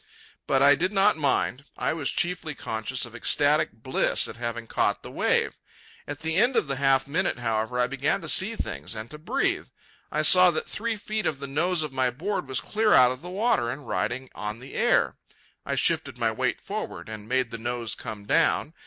But I did not mind. I was chiefly conscious of ecstatic bliss at having caught the wave. At the end of the half minute, however, I began to see things, and to breathe. I saw that three feet of the nose of my board was clear out of water and riding on the air. I shifted my weight forward, and made the nose come down.